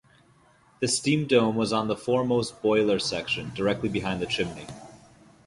The steam dome was on the foremost boiler section directly behind the chimney.